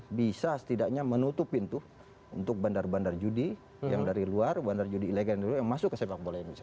kita bisa setidaknya menutup pintu untuk bandar bandar judi yang dari luar bandar judi ilegal dulu yang masuk ke sepak bola indonesia